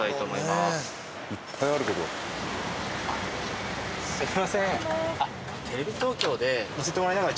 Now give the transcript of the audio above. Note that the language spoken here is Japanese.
すみません